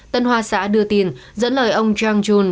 tân hoa xã đưa tin dẫn lời ông zhang jun